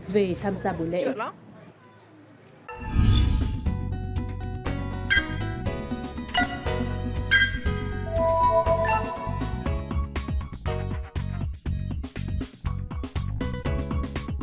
về tham gia buổi lễ